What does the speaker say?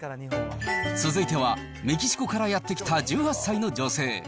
続いては、メキシコからやって来た１８歳の女性。